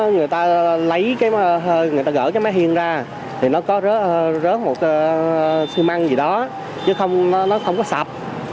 người ta lấy cái máy người ta gỡ cái máy hiên ra thì nó có rớt một sư măng gì đó chứ không nó không có sập